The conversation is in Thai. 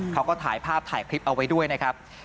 เขาก็ถ่ายภาพถ่ายคลิปเอาไว้ด้วยนะครับ